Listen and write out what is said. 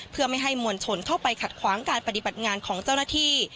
เพื่อไม่ให้มวลชนเข้าไปขัดขวางการปฏิบัติงานของเจ้าหน้าที่